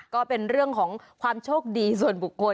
ก็เป็นเรื่องของความโชคดีส่วนบุคคล